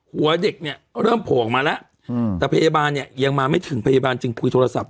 หัวเด็กเนี่ยเริ่มโผล่ออกมาแล้วแต่พยาบาลเนี่ยยังมาไม่ถึงพยาบาลจึงคุยโทรศัพท์